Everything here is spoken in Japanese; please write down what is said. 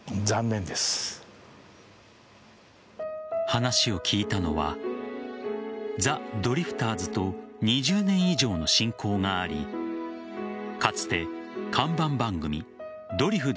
話を聞いたのはザ・ドリフターズと２０年以上の親交がありかつて看板番組「ドリフ